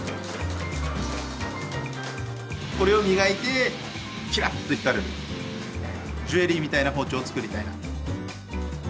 これを磨いてキラッと光るジュエリーみたいな包丁を作りたいなと。